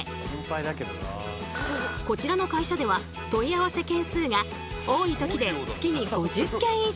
こちらの会社では問い合わせ件数が多い時で月に５０件以上。